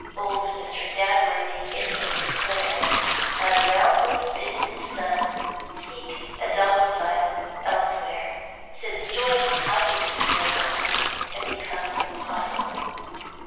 Old Mr. Dagworthy, it was declared, had roundly bidden his son seek a domicile elsewhere, since joint occupancy of the home had become impossible.